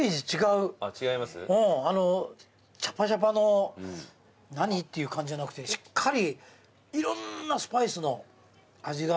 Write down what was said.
うんあのうチャパチャパの「何？」っていう感じじゃなくてしっかりいろんなスパイスの味が。